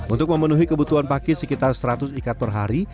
untuk memenuhi kebutuhan pakis sekitar seratus ikat per hari